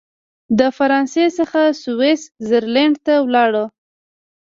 له فرانسې څخه سویس زرلینډ ته ولاړ.